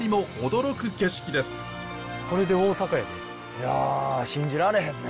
いや信じられへんね。